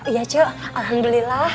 iya cok alhamdulillah